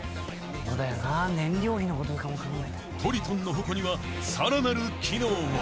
［トリトンの矛にはさらなる機能も］